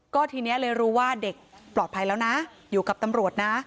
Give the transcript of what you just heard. ก็ทีนี้เลยรู้ว่าเด็กปลอดภัยแล้วนะอยู่กับตำรวจนะ